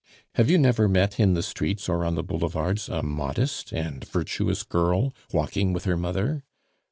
Have you never met in the streets or on the Boulevards a modest and virtuous girl walking with her mother?"